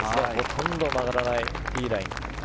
ほとんど曲がらないいいライン。